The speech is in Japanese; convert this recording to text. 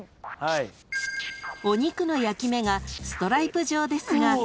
［お肉の焼き目がストライプ状ですが］